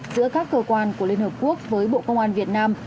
giữa các cơ quan của liên hợp quốc với bộ công an việt nam